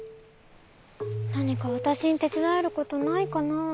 なにかわたしにてつだえることないかな？